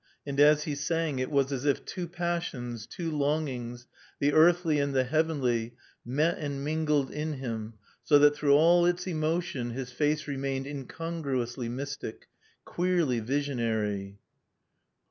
And as he sang it was as if two passions, two longings, the earthly and the heavenly, met and mingled in him, so that through all its emotion his face remained incongruously mystic, queerly visionary.